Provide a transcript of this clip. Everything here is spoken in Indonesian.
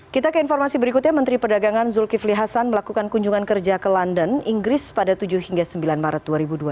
kita ke informasi berikutnya menteri perdagangan zulkifli hasan melakukan kunjungan kerja ke london inggris pada tujuh hingga sembilan maret dua ribu dua puluh